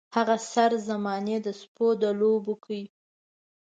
هغه سر زمانې د سپو د لوبو کړ.